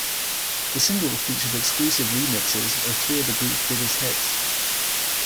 The single featured exclusive remixes of three of the group's biggest hits.